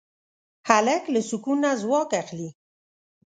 هلک له سکون نه ځواک اخلي.